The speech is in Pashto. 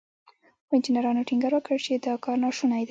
خو انجنيرانو ټينګار وکړ چې دا کار ناشونی دی.